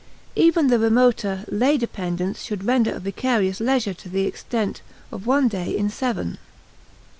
Even the remoter, lay dependents should render a vicarious leisure to the extent of one day in seven.